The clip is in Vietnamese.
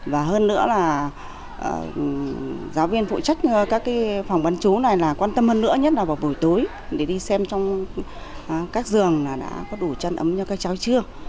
và hơn nữa là giáo viên phụ trách các phòng bán chú này là quan tâm hơn nữa nhất là vào buổi tối để đi xem trong các giường đã có đủ chân ấm cho các cháu chưa